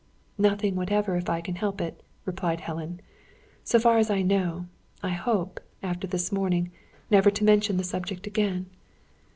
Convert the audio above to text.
"Nothing whatever, if I can help it," replied Helen. "So far as I know, I hope, after this morning, never to mention the subject again."